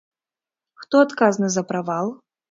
Хто адказны за правал?